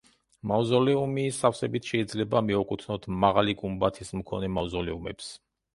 მავზოლეუმი სავსებით შეიძლება მივაკუთნოთ მაღალი გუმბათის მქონე მავზოლეუმებს.